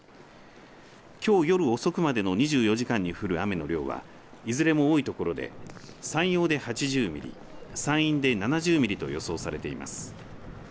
きょう夜遅くまでの２４時間に降る雨の量はいずれも多い所で山陽で８０ミリ山陰で７０ミリと予想されています。